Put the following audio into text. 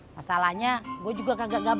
masalahnya gue juga kagak gablek duit pur